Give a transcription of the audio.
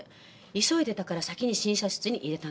急いでたから先に診察室に入れたんですって。